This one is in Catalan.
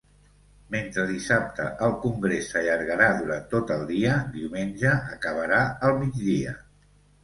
Mentre dissabte el congrés s’allargarà durant tot el dia, diumenge acabarà al migdia.